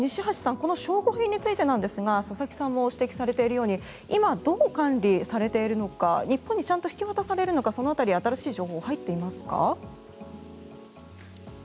この証拠品についてですが佐々木さんも指摘されているように今、どう管理されているのか日本にちゃんと引き渡されるのかその辺り新しい情報は入っていますか？